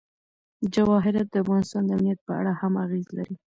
جواهرات د افغانستان د امنیت په اړه هم اغېز لري.